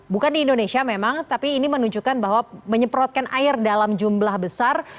bukan di indonesia memang tapi ini menunjukkan bahwa menyemprotkan air dalam jumlah besar